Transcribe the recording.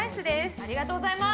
ありがとうございます。